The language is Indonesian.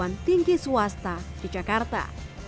perguruan tinggi swasta di jakarta